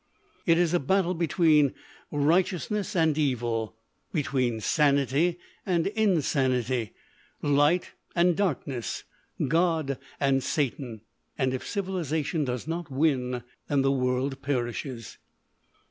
"It is a battle between righteousness and evil, between sanity and insanity, light and darkness, God and Satan! And if civilisation does not win, then the world perishes."